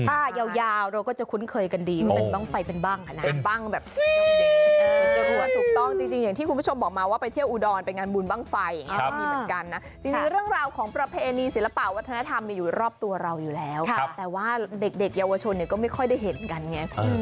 ถ้ายาวเราก็จะคุ้นเคยกันดีเมื่อมีบ้างไฟเป็นบ้าง